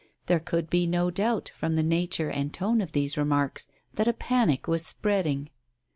There could be no doubt, from the nature and tone of these remarks, that a panic was spreading.